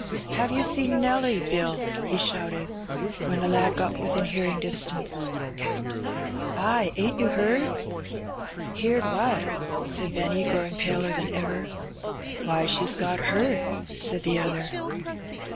^^Have yer seen Nelly, Bill?" he shouted, when the lad got within hearing distance. ^^Ay; ain't yer heerd?" 112 Heb Benny. cc (( Heerd what?'' said Benny, growing paler than ever. Why, she's got hurt," said the other.